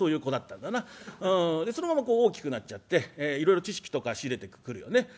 そのまま大きくなっちゃっていろいろ知識とか仕入れてくるよね。